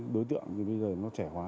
đối tượng bây giờ nó trẻ hóa